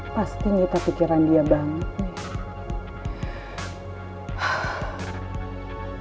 pasti minta pikiran dia banget nih